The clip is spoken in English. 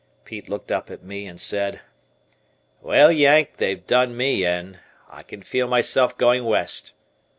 Pete looked up at me and said: "Well, Yank, they've done me in. I can feel myself going West."